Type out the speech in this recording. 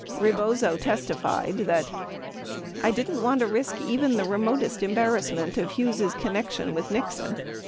Rebozo testified that :I didn't want to risk even the remotest embarrass ment of Hughes' connection with Nixon.